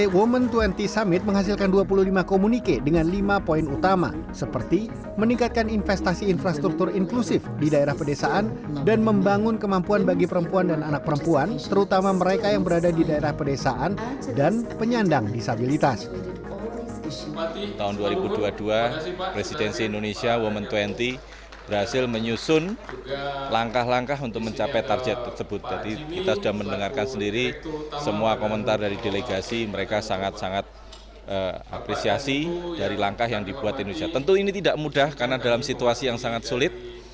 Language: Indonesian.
wom dua puluh summit di indonesia mendapatkan apresiasi dari semua delegasi